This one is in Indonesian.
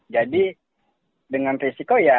jadi dengan risiko ya